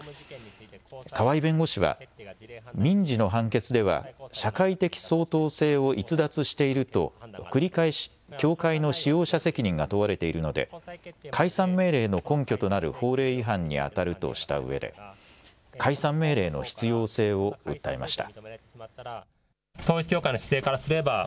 川井弁護士は民事の判決では社会的相当性を逸脱していると繰り返し教会の使用者責任が問われているので解散命令の根拠となる法令違反にあたるとしたうえで、解散命令の必要性を訴えました。